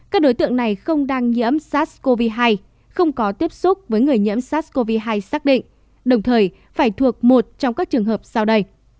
các đối tượng này không đang nhiễm sars cov hai không có tiếp xúc với người nhiễm sars cov hai xác định đồng thời phải thuộc một trong các trường hợp sau đây